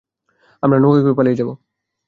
আমরা নৌকায় করে পালিয়ে যাব!